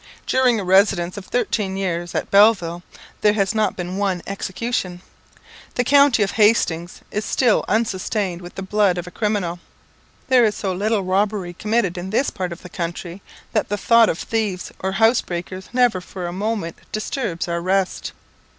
During a residence of thirteen years at Belleville, there has not been one execution. The county of Hastings is still unstained with the blood of a criminal. There is so little robbery committed in this part of the country, that the thought of thieves or housebreakers never for a moment disturbs our rest.